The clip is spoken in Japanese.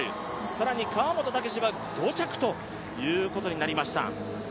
更に川本武史は５着ということになりました。